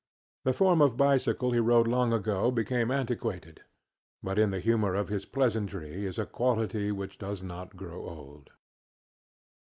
The form of bicycle he rode long ago became antiquated, but in the humor of his pleasantry is a quality which does not grow old.